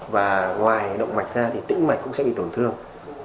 và ngoài động mạch ra thì tĩnh mạch cũng sẽ bị tổn thương